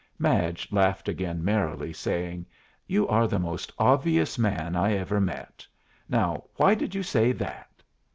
Madge laughed again merrily, saying, "You are the most obvious man I ever met. Now why did you say that?"